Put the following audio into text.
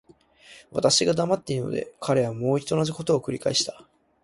私が黙っているので、彼はもう一度同じことを繰返した。